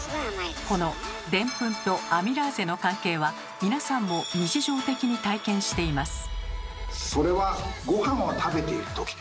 このデンプンとアミラーゼの関係は皆さんも日常的に体験しています。